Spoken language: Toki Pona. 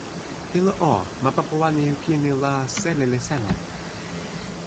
ilo o, ma Papuwanijukini la seli li seme?